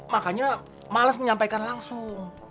makanya males menyampaikan langsung